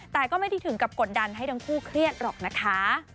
แต่ก็ไม่ได้ถึงกับกดดันให้ทั้งคู่เครียดหรอกนะคะ